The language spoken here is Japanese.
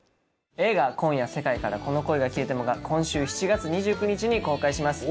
映画『今夜、世界からこの恋が消えても』が今週７月２９日に公開します。